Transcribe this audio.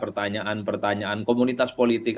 pertanyaan pertanyaan komunitas politik